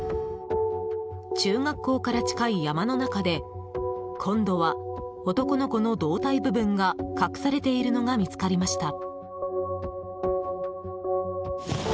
中学校から近い山の中で今度は男の子の胴体部分が隠されているのが見つかりました。